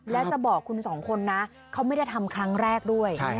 และจะบอกคุณสองคนนะเขาไม่ได้ทำครั้งแรกด้วย